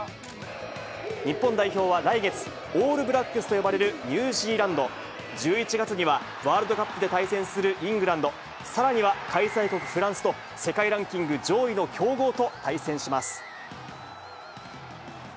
日本代表は来月、オールブラックスと呼ばれるニュージーランド、１１月にはワールドカップで対戦するイングランド、さらには開催国フランスと、世界ランキング上位の強豪と対戦します。